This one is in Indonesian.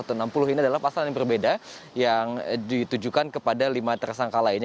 ini adalah pasal yang berbeda yang ditujukan kepada lima tersangka lainnya